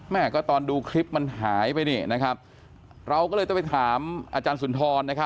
แม่ก็ตอนดูคลิปมันหายไปนี่นะครับเราก็เลยต้องไปถามอาจารย์สุนทร